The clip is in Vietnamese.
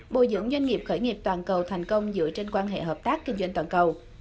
hợp tác chuyển giao công nghiệp khởi nghiệp toàn cầu thành công dựa trên quan hệ hợp tác kinh doanh toàn cầu